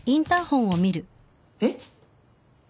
えっ？